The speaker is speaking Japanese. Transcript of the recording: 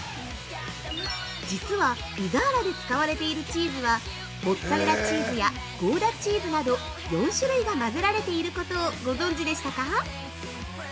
実は、ピザーラで使われているチーズはモッツァレラチーズやゴーダチーズなど４種類が混ぜられていることをご存じでしたか？